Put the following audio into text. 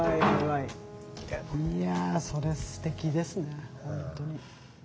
いやそれすてきですね。